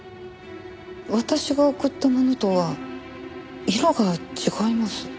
私が贈ったものとは色が違います。